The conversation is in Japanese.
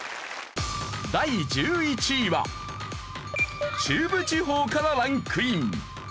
第１１位は中部地方からランクイン。